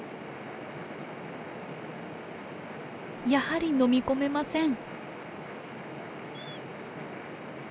やはりのみ込めません。